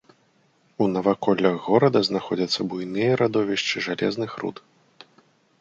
У наваколлях горада знаходзяцца буйныя радовішчы жалезных руд.